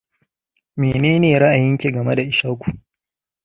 Mene ne ra'ayinki game da Ishaku?